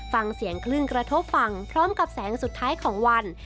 ฟังเสียงคลื่นกระทบฟังพร้อมกับแสงสุดท้ายของวัน